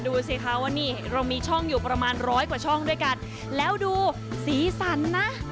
ดูสิคะว่านี่เรามีช่องอยู่ประมาณร้อยกว่าช่องด้วยกันแล้วดูสีสันนะ